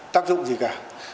tác dụng gì cả